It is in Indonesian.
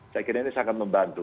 saya kira ini sangat membantu